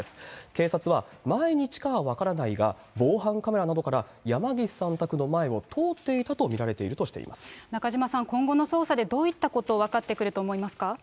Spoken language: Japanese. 警察は、毎日かは分からないが、防犯カメラなどから山岸さん宅の前を通っていたと見られていると中島さん、今後の捜査でどういったこと、分かってくると思いますか？